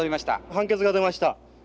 判決が出ました。